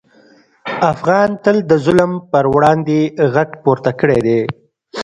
افغان تل د ظلم پر وړاندې غږ پورته کړی دی.